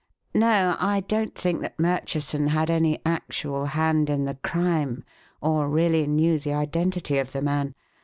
No, I don't think that Murchison had any actual hand in the crime or really knew the identity of the man.